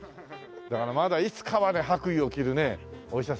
だからまだいつかはね白衣を着るお医者さんの役をね。